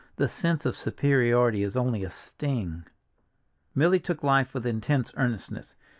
The sense of superiority is only a sting. Milly took life with intense earnestness.